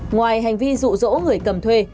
ngoài hành vi dụ dỗ người cầm thuê